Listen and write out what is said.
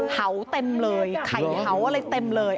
เห่าเต็มเลยไข่เห่าอะไรเต็มเลย